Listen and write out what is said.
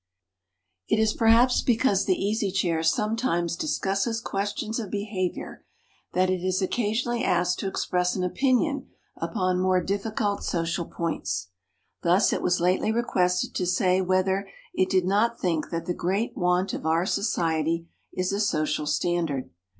IT is perhaps because the Easy Chair sometimes discusses questions of behavior that it is occasionally asked to express an opinion upon more difficult social points. Thus it was lately requested to say whether it did not think that the great want of our society is a social standard.